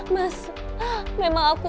mas memang aku